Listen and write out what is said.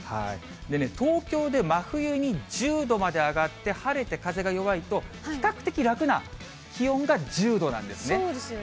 東京で真冬に１０度まで上がって、晴れて風が弱いと、比較的楽な、気温が１０度なんですね。